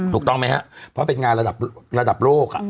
ถูกต้องไหมครับเพราะเป็นงานระดับโลก